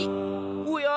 おや！